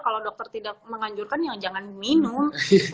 kalau dokter tidak menganjurkan ya jangan minum